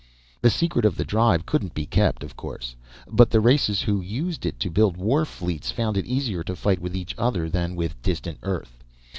The secret of the drive couldn't be kept, of course, but the races who used it to build war fleets found it easier to fight with each other than with distant Earth.